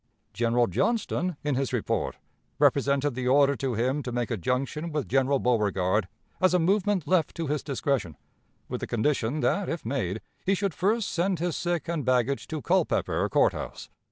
General Johnston, in his report, represented the order to him to make a junction with General Beauregard as a movement left to his discretion, with the condition that, if made, he should first send his sick and baggage to Culpepper Court House.